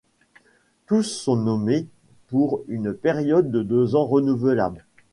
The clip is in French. Tous sont nommés pour une période de deux ans, renouvelable.